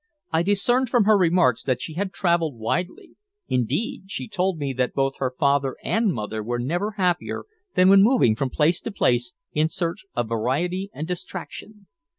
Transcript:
I discerned from her remarks that she had traveled widely; indeed, she told me that both her father and mother were never happier than when moving from place to place in search of variety and distraction.